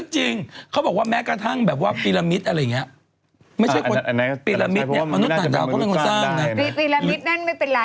ช่วงหน้าพระเอกหล่อ